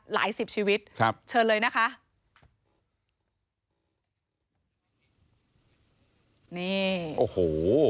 หลายสิบชีวิตเชิญเลยนะคะนี่โอ้โฮ